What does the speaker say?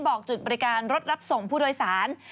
บอกจุดบริการรถรับส่งผู้โดยสาร